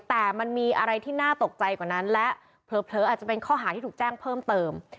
แต่มันมีอะไรที่น่าตกใจกว่านั้นและเผลออาจจะเป็นข้อหาที่ถูกแจ้งเพิ่มเติม